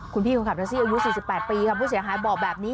คุณพี่คนขับแท็กซี่อายุ๔๘ปีค่ะผู้เสียหายบอกแบบนี้